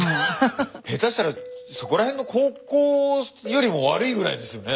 下手したらそこらへんの高校よりも悪いぐらいですよね。